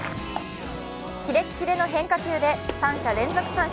キレッキレの変化球で三者連続三振。